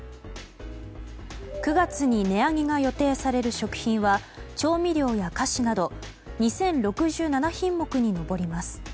９月に値上げが予定される食品は調味料や菓子など２０６７品目に上ります。